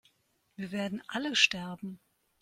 Wir werden alle sterben!